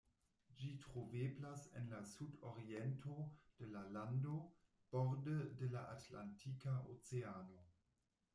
Ĝi troveblas en la sudoriento de la lando, borde de la Atlantika Oceano.